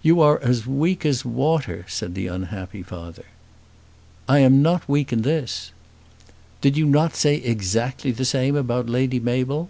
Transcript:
"You are weak as water," said the unhappy father. "I am not weak in this." "Did you not say exactly the same about Lady Mabel?"